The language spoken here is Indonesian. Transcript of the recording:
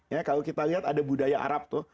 ya kalau kita lihat ada budaya arab tuh